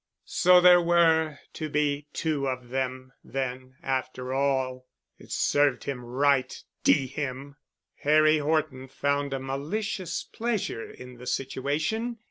So there were to be two of them then after all. "It served him right—D—n him!" Harry Horton found a malicious pleasure in the situation.